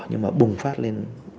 nhưng mà bùng phát lên